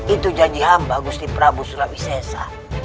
itu janji hamba gusti prabu sulawisesa